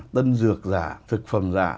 tân dược giả thực phẩm giả